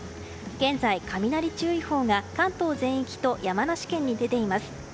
現在、雷注意報が関東全域と山梨県に出ています。